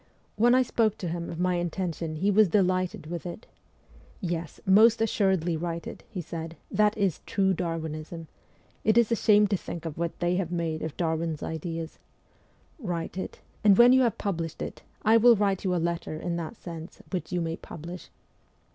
When I spoke to him of my intention he was delighted with it. ' Yes, most assuredly write it,' he said. ' That is true Darwinism. It is a shame to think of what " they " have made of Darwin's ideas. Write it, and when you have published it, I will write you a letter in that sense which you may publish.'